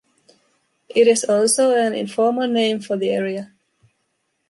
It is also an informal name for the area.